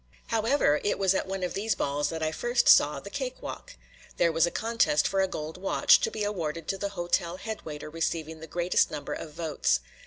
However, it was at one of these balls that I first saw the cake walk. There was a contest for a gold watch, to be awarded to the hotel head waiter receiving the greatest number of votes.